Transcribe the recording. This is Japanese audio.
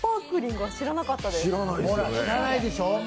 ほら、知らないでしょ！